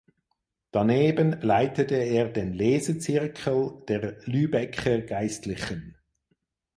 Daneben leitete er den "Lesezirkel" der Lübecker Geistlichen.